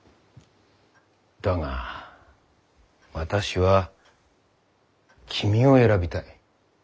だが私は君を選びたい。